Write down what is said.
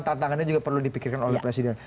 tantangannya juga perlu dipikirkan oleh presiden